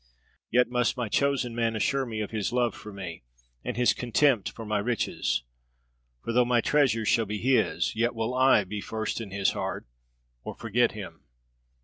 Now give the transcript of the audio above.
"Yet must my chosen man assure me of his love for me, and his contempt for my riches. For, though my treasures shall be his, yet will I be first in his heart or forget him."